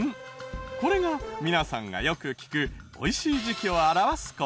これが皆さんがよく聞く美味しい時期を表す言葉。